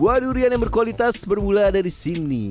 buah durian yang berkualitas bermula dari sini